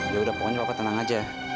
ya udah pokoknya bapak tenang aja